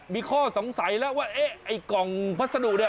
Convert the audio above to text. มีข้อสงสัยแล้วว่าเอ๊ะไอ้กล่องพัสดุเนี่ย